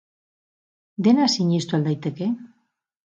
Dena sinestu al daiteke?